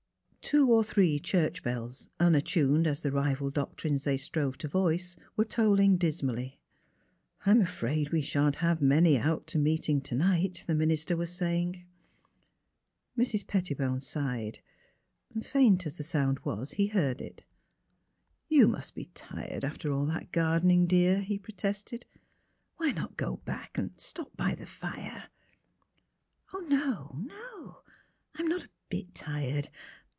Two or three church bells, unattuned as the rival doctrines they strove to voice, were tolling dis mally. ''I'm afraid we shan't have many out to meet ing to night," the minister was saying. Mrs. Pettibone sighed. Faint as the sound was, he heard it. '' You must be tired after all that gardening, dear," he protested. *' Why not go back and stop by the fire? "'' No — oh, no! I'm not a bit tired.